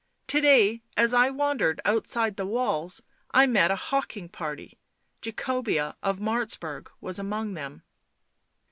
" To day as I wandered out side the walls I met a hawking party. Jacobea of Martzburg was among them."